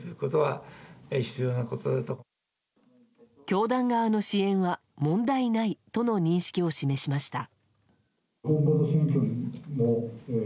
教団側の支援は問題ないとの認識を示しました。